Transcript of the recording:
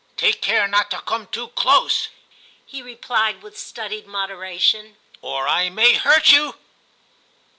*Take care not to come too close,' he replied with studied moderation, *or I may hurt you.'